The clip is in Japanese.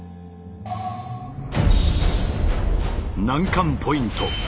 難関ポイント